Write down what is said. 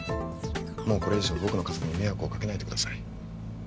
もうこれ以上僕の家族に迷惑をかけないでください